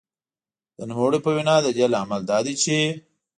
د نوموړې په وینا د دې لامل دا دی چې